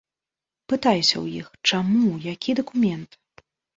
Пытаюся ў іх, чаму, які дакумент?